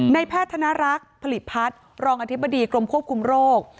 แพทย์ธนรักษ์ผลิตพัฒน์รองอธิบดีกรมควบคุมโรค